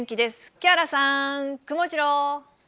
木原さん、くもジロー。